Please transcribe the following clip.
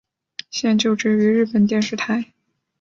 现就职于日本电视台。